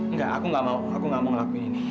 nggak aku gak mau aku gak mau ngelakuin ini